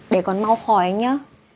để còn mau khỏi anh nhá